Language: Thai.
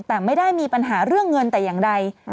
แต่ไม่ได้มีปัญหาเรื่องเงินแต่อย่างใด